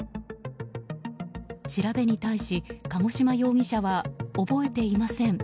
調べに対し、鹿児島容疑者は覚えていません